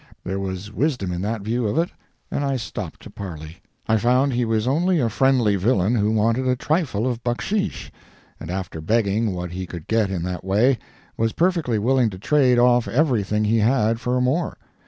There was wisdom in that view of it, and I stopped to parley. I found he was only a friendly villain who wanted a trifle of bucksheesh, and after begging what he could get in that way, was perfectly willing to trade off everything he had for more.